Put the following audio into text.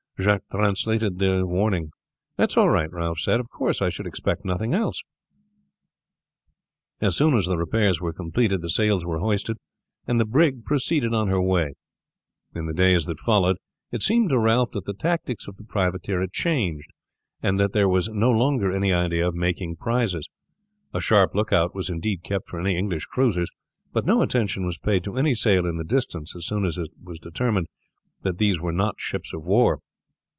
Jacques translated the warning. "That's all right," Ralph said. "Of course I should expect nothing else." As soon as the repairs were completed the sails were hoisted and the brig proceeded on her way. In the days that followed it seemed to Ralph that the tactics of the privateer had changed, and that there was no longer any idea of making prizes. A sharp lookout was indeed kept for any English cruisers, but no attention was paid to any sail in the distance as soon as it was determined that these were not ships of war.